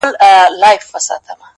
خیر حتمي کارونه مه پرېږده، کار باسه،